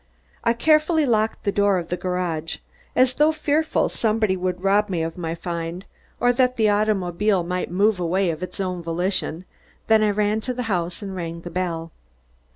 I carefully locked the door of the garage, as though fearful some one would rob me of my find, or that the automobile might move away of its own volition, then I ran to the house and rang the bell.